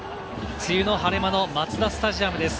梅雨の晴れ間のマツダスタジアムです。